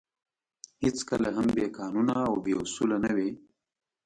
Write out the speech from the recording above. هېڅکله هم بې قانونه او بې اُصولو نه وې.